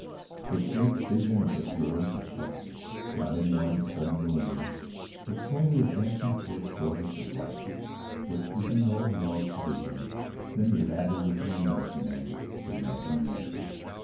"The great vision of the glory that shall be, not in one sudden millennium, but slowly advancing toward joys of life which we can no more prevision than the aboriginal medicine man could imagine the X ray!